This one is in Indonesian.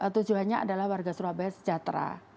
tujuannya adalah warga surabaya sejahtera